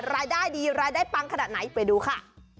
รายได้ดีรายได้ปังขนาดไหนไปดูค่ะ